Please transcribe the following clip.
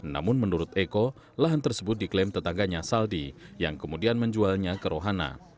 namun menurut eko lahan tersebut diklaim tetangganya saldi yang kemudian menjualnya ke rohana